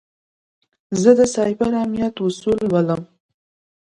زه د سایبر امنیت اصول لولم.